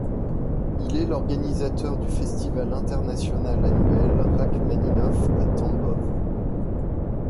Il est l'organisateur du festival international annuel Rachmaninov à Tambov.